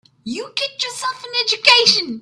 You get yourself an education.